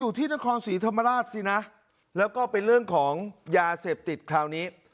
อยู่ที่นครศรีธรรมราชสินะแล้วก็เป็นเรื่องของยาเสพติดคราวนี้